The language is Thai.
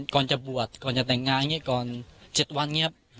ก่อนจะบวชก่อนจะแต่งงานอย่างนี้ก่อน๗วันอย่างนี้ครับ